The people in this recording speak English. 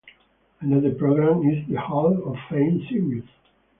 Another program is the Hall of Fame Series.